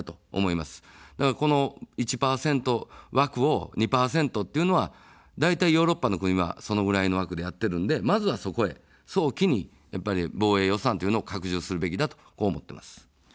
だからこの１％枠を２％というのは、だいたいヨーロッパの国はそのぐらいの枠でやっているので、まずはそこへ早期に防衛予算というのを拡充するべきだと思っています。